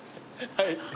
はい。